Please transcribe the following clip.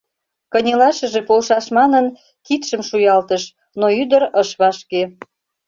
Кынелашыже полшаш манын, кидшым шуялтыш, но ӱдыр ыш вашке.